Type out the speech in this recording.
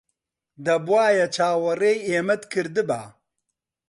دەبوایە چاوەڕێی ئێمەت کردبا.